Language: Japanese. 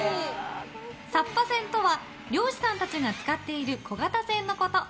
サッパ船とは漁師さんたちが使っている小型船のこと。